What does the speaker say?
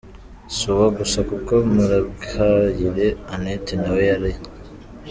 Si uwo gusa kuko Murebwayire Annet nawe yari